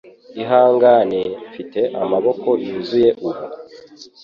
Ihangane, Mfite amaboko yuzuye ubu